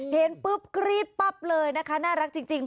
เห็นปุ๊บกรี๊ดปั๊บเลยนะคะน่ารักจริง